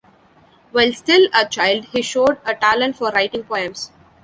While still a child, he showed a talent for writing poems.